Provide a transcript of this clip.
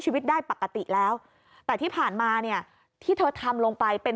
ชีวิตได้ปกติแล้วแต่ที่ผ่านมาเนี่ยที่เธอทำลงไปเป็น